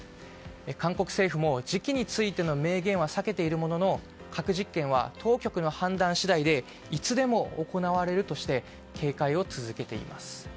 韓国政府も時期についての明言は避けているものの核実験は当局の判断次第でいつでも行われるとして警戒を続けています。